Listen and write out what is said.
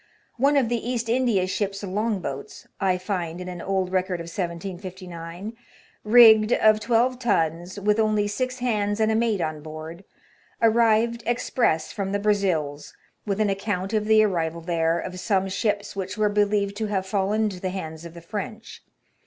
'*One of the East India ship's long boats," I find in an old record of 1759, '' rigged, of twelve tons, with only six hands and a mate on board, arrived express from the Brazils with an account of the arrival there *' of some ships which were believed to have fallen into the hands of the French.